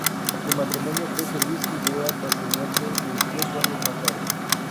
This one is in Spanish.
Su matrimonio fue feliz y duró hasta su muerte veintiocho años más tarde.